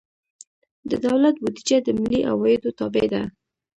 د دولت بودیجه د ملي عوایدو تابع ده.